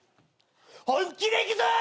本気でいくぞ！